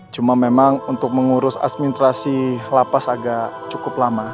cuma memang untuk mengurus administrasi lapas agak cukup lama